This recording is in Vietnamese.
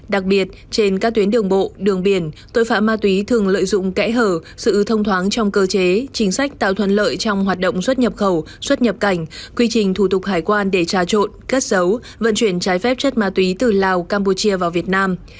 đặc biệt trên các tuyến đường bộ đường biển tội phạm ma túy thường lợi dụng kẽ hở sự thông thoáng trong cơ chế chính sách tạo thuận lợi trong hoạt động xuất nhập khẩu xuất nhập cảnh quy trình thủ tục hải quan để trà trộn cất dấu vận chuyển trái phép chất ma túy từ lào campuchia vào việt nam